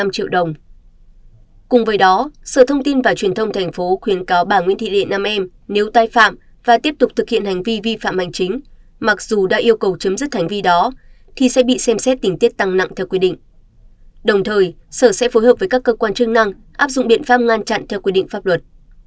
cùng với đó sở thông tin và truyền thông thành phố khuyến cáo bà nguyễn thị lị nam em nếu tai phạm và tiếp tục thực hiện hành vi vi phạm hành chính mặc dù đã yêu cầu chấm dứt hành vi đó thì sẽ bị xem xét tình tiết tăng nặng theo quy định đồng thời sở sẽ phối hợp với các cơ quan chức năng áp dụng biện pháp ngăn chặn theo quy định pháp luật